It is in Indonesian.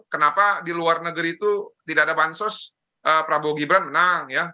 kenapa di luar negeri itu tidak ada bansos prabowo gibran menang ya